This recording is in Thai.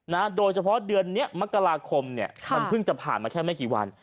โดยเฉพาะเดือนเนี้ยมกราคมเนี่ยมันเพิ่งจะผ่านมาแค่ไม่กี่วัน